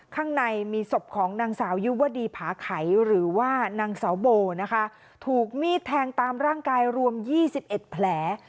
ข้างในมีศพของนางสาวยุวดีผาไขหรือว่านางสาวโบนะคะถูกมีดแทงตามร่างกายรวม๒๑แผล